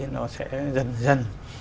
nó sẽ dần dần